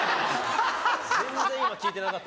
・全然聞いてなかった返事・